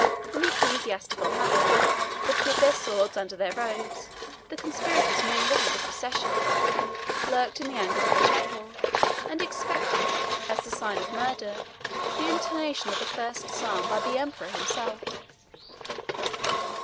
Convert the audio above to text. In the ecclesiastical habit, but with their swords under their robes, the conspirators mingled with the procession, lurked in the angles of the chapel, and expected, as the signal of murder, the intonation of the first psalm by the emperor himself.